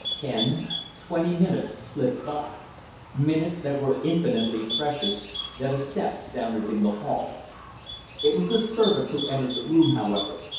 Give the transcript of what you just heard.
Ten twenty minutes slipped by; minutes that were infinitely precious, then a step sounded in the hall. It was the servant who entered the room, however.